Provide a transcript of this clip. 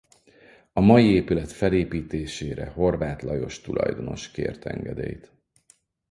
A mai épület felépítésére Horváth Lajos tulajdonos kért engedélyt.